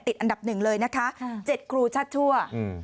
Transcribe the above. อันดับหนึ่งเลยนะคะเจ็ดครูชัดชั่วอืม